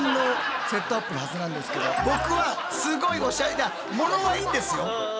僕はすごいオシャレだものはいいんですよ。